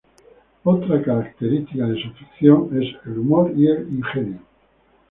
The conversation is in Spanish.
Otra característica de su ficción es el humor y el ingenio.